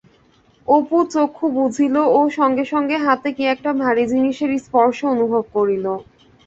অপু চক্ষু বুজিল ও সঙ্গে সঙ্গে হাতে কি একটা ভারী জিনিসের স্পর্শ অনুভব করিল।